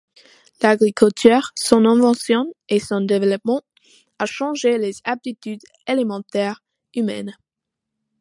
L'agriculture, son invention et son développement, a changé les habitudes alimentaires humaines.